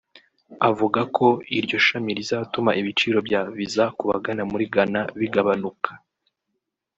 avuga ko iryo shami rizatuma ibiciro bya Visa ku bagana muri Ghana bigabanuka